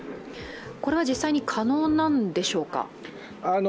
これは実際に可能なんでしょうか？